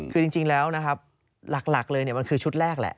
คือจริงแล้วนะครับหลักเลยมันคือชุดแรกแหละ